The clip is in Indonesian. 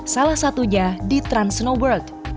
salah satunya di trans snow world